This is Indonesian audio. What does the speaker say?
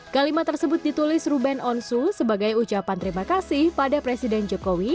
kalimat tersebut ditulis ruben onsu sebagai ucapan terima kasih pada presiden jokowi